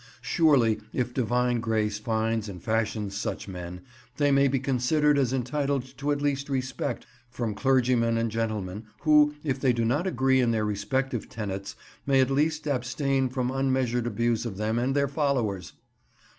Surely, if Divine grace finds and fashions such men, they may be considered as entitled to at least respect from clergymen and gentlemen, who, if they do not agree in their respective tenets, may at least abstain from unmeasured abuse of them and their followers!